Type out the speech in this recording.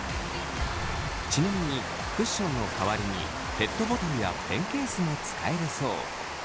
ちなみにクッションの代わりにペットボトルやペンケースも使えるそう。